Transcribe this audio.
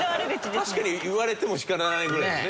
確かに言われても仕方ないぐらいですね。